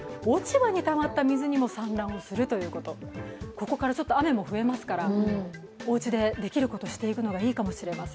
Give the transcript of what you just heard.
ここから雨も増えますからおうちでできることをするのがいいと思います